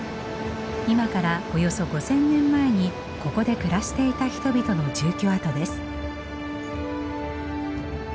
今からおよそ５，０００年前にここで暮らしていた人々の住居跡です。